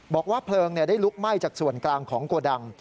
บอกว่าเพลิงได้ลุกไหม้จากส่วนกลางของโกดัง